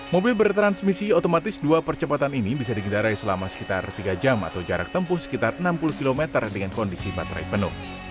mobil bertransmisi otomatis dua percepatan ini bisa digendarai selama sekitar tiga jam atau jarak tempuh sekitar enam puluh km dengan kondisi baterai penuh